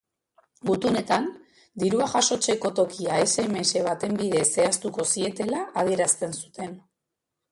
Gutunetan dirua jasotzeko tokia sms baten bidez zehaztuko zietela adierazten zuten.